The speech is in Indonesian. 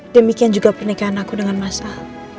demikian juga pernikahan aku dengan mas al